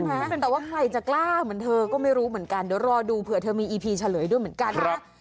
แต่ว่าใครจะกล้าเหมือนเธอก็ไม่รู้เหมือนกันเดี๋ยวรอดูเผื่อเธอมีอีพีเฉลยด้วยเหมือนกันนะ